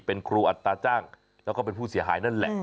เป็นครูอัตราจ้างแล้วก็เป็นผู้เสียหายนั่นแหละ